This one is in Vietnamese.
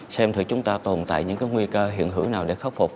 xem thì chúng ta tồn tại những nguy cơ hiện hữu nào để khắc phục